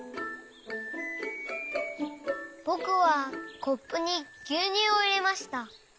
ぼくはコップにぎゅうにゅうをいれました。